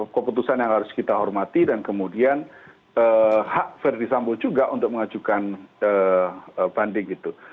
keputusan yang harus kita hormati dan kemudian hak verdi sambo juga untuk mengajukan banding itu